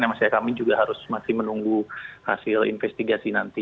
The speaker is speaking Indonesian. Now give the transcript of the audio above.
yang masih kami juga harus masih menunggu hasil investigasi nanti